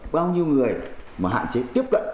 bao nhiêu người mà hạn chế tiếp cận